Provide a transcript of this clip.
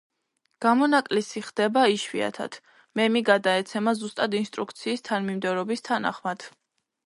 გამონაკლისი ხდება იშვიათად, მემი გადაეცემა ზუსტად ინსტრუქციის თანმიმდევრობის თანახმად.